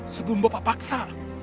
sebelum bapak paksa